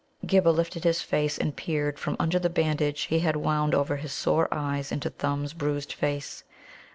Ghibba lifted his face and peered from under the bandage he had wound over his sore eyes into Thumb's bruised face.